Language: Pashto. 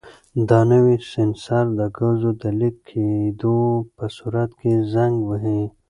دا نوی سینسر د ګازو د لیک کېدو په صورت کې زنګ وهي.